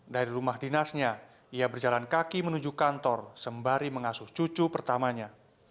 dari rumah dinasnya ia berjalan kaki menuju kantor sembari mengasuh cucu pertamanya